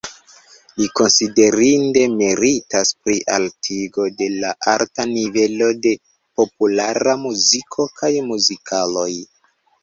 Li konsiderinde meritas pri altigo de arta nivelo de populara muziko kaj muzikaloj.